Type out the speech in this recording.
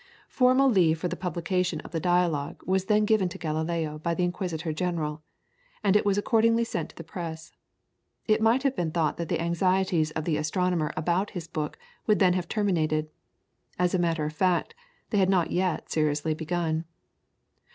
Formal leave for the publication of the Dialogue was then given to Galileo by the Inquisitor General, and it was accordingly sent to the press. It might be thought that the anxieties of the astronomer about his book would then have terminated. As a matter of fact, they had not yet seriously begun.